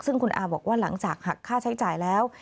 ซึ่งคุณอาบอกว่าหลังจากหักค่าใช้จ่ายแล้ว